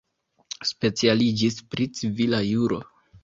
Specialiĝis pri civila juro.